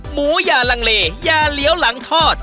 หมูอย่าลังเลอย่าเหลียวหลังทอด